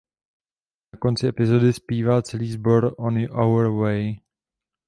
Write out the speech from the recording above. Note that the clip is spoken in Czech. Na konci epizody zpívá celý sbor "On Our Way".